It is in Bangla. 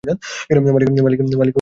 মালিক ফোন করেছিল।